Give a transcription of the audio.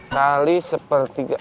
tiga kali sepertiga